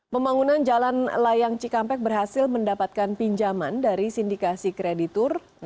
pembangunan jalan layang cikampek berhasil mendapatkan pinjaman dari sindikasi kreditur